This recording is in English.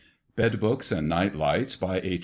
BED BOOKS AND NIGHT LIGHTS By H.